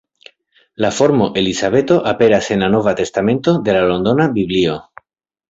La formo Elizabeto aperas en la Nova testamento de la Londona Biblio.